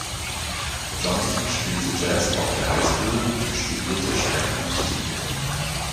Johnson spielte Jazz auf der Highschool und studierte später Musik.